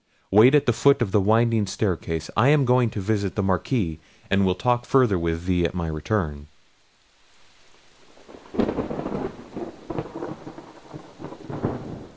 Wait at the foot of the winding staircase: I am going to visit the Marquis, and will talk further with thee at my return."